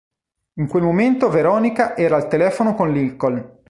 In quel momento, Veronica era al telefono con Lincoln.